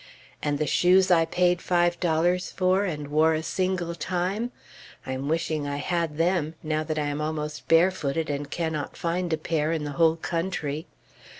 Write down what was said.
And the shoes I paid five dollars for, and wore a single time? I am wishing I had them now that I am almost barefooted, and cannot find a pair in the whole country....